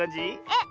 えっ。